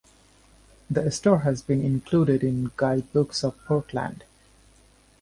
The store has been included in guide books of Portland.